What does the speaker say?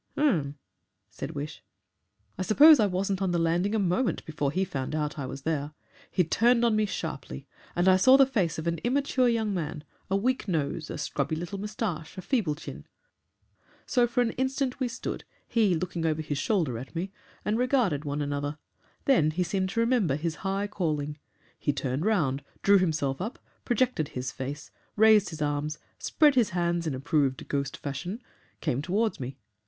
"Um," said Wish. "I suppose I wasn't on the landing a moment before he found out I was there. He turned on me sharply, and I saw the face of an immature young man, a weak nose, a scrubby little moustache, a feeble chin. So for an instant we stood he looking over his shoulder at me and regarded one another. Then he seemed to remember his high calling. He turned round, drew himself up, projected his face, raised his arms, spread his hands in approved ghost fashion came towards me.